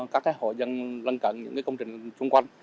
các hội dân lân cận những công trình xung quanh